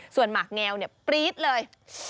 ส่วนหมากแงวปรี๊ดเลย